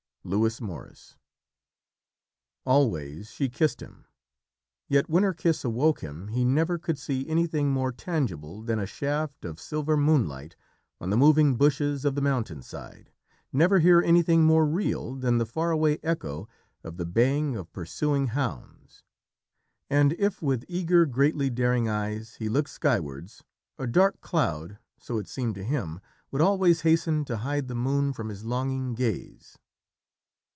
Lewis Morris. Always she kissed him, yet when her kiss awoke him he never could see anything more tangible than a shaft of silver moonlight on the moving bushes of the mountain side, never hear anything more real than the far away echo of the baying of pursuing hounds, and if, with eager, greatly daring eyes, he looked skywards, a dark cloud, so it seemed to him, would always hasten to hide the moon from his longing gaze.